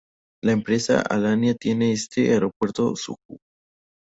La empresa Alania tiene en este aeropuerto su Hub.